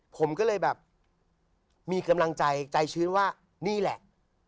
ผมก็เลยแบบมีกำลังใจใจชื้นว่านี่แหละ